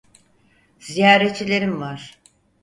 Ziyaretçilerin var.